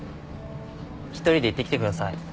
一人で行ってきてください。